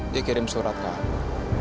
dia kirim surat kamu